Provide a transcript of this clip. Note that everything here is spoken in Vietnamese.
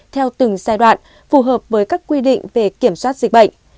theo từng giai đoạn phù hợp với các quy định về kiểm soát dịch bệnh